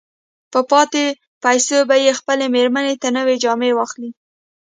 په پاتې پيسو به يې خپلې مېرمې ته نوې جامې واخلي.